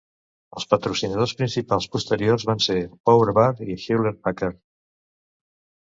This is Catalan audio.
Els patrocinadors principals posteriors van ser PowerBar i Hewlett-Packard.